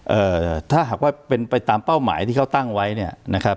เอ่อถ้าหากว่าเป็นไปตามเป้าหมายที่เขาตั้งไว้เนี่ยนะครับ